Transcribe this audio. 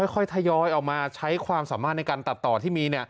ค่อยทยอยออกมาใช้ความสามารถในการตัดต่อที่มี